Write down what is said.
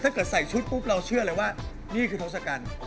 ถ้าเกิดใส่ชุดปุ๊บเชื่อได้ว่านี่คือทศกรรม